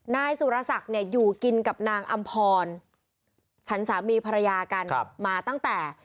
นายสุรศักดิ์เนี่ยอยู่กินกับนางอำพรฉันสามีภรรยากันมาตั้งแต่